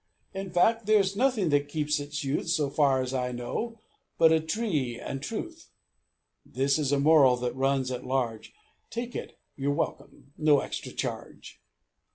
In fact, there's nothing that keeps its youth, So far as I know, but a tree and truth. (This is a moral that runs at large; Take it You're welcome No extra charge.)